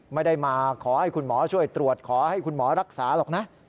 ไม่ได้มาขอให้คุณหมอช่วยตรวจขอให้คุณหมอรักษาหรอกนะ